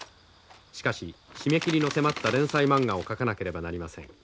しかし締め切りの迫った連載マンガを描かなければなりません。